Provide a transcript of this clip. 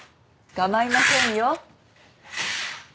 構いませんよ。